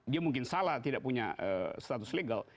dia mungkin salah tidak punya status legal